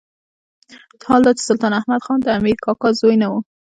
حال دا چې سلطان احمد خان د امیر کاکا زوی نه وو.